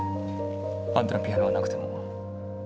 あんたのピアノがなくても。